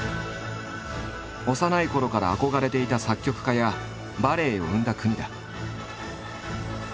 幼いころから憧れていた作曲家やバレエを生んだ国だ。